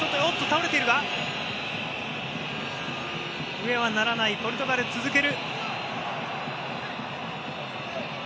笛は鳴らない、ポルトガル続ける。